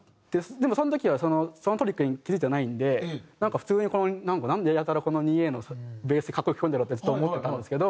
でもその時はそのトリックに気付いてないんでなんか普通になんでやたらこの２Ａのベース格好良く聞こえるんだろうってずっと思ってたんですけど。